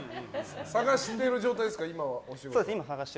探してる状態ですか？